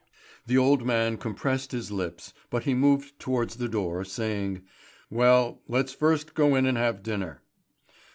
The old man compressed his lips, but he moved towards the door, saying: "Well, let's first go in and have dinner."